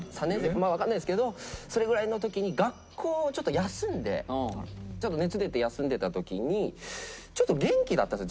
まあわかんないんですけどそれぐらいの時に学校をちょっと休んでちょっと熱出て休んでた時にちょっと元気だったんですよ